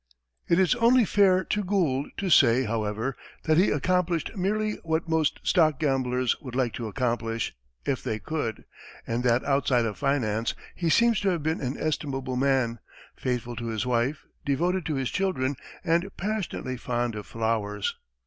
It is only fair to Gould to say, however, that he accomplished merely what most stock gamblers would like to accomplish, if they could, and that outside of finance, he seems to have been an estimable man, faithful to his wife, devoted to his children, and passionately fond of flowers.